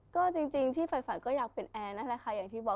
ก็จริงที่ฝันฝันก็อยากเป็นแอร์นะแหละค่ะ